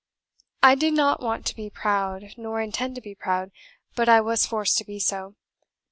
I did not want to be proud, nor intend to be proud, but I was forced to be so.